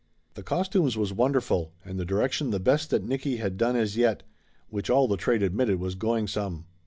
The costumes was wonderful, and the direction the best that Nicky had done as yet, which all the trade admitted was going some.